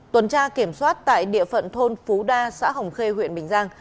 tuần tra kiểm soát tại địa phận thôn phú đa xã hồng khê huyện bình giang